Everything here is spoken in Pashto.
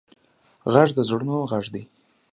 غږ د زړونو غږ دی